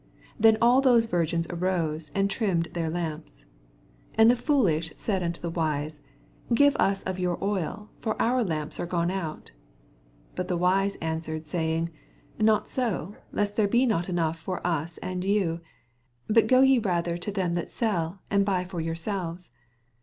7 Then all those viigins arose, and trimmed their lamps. 8 And the foolish said unto the wise, Giye us of your oil; fi»r ou lamra are gone out. 9 But the wise answered, saying, Not 90 ; lest there be not enough for us and vou : but go ye rather to them that sell, and buy for yourselves.